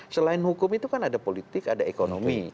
selain hukum itu kan ada politik ada ekonomi